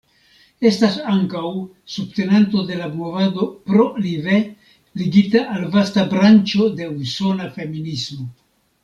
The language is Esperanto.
Estas ankaŭ subtenanto de la movado "Pro-Live", ligita al vasta branĉo de usona feminismo.